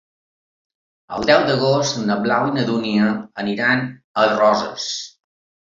El deu d'agost na Blau i na Dúnia aniran a Roses.